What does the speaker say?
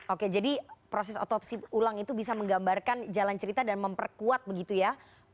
oke jadi proses otopsi ulang itu bisa menggambarkan jalan cerita dan memperkuat begitu ya